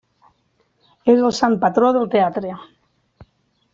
És el sant patró del teatre.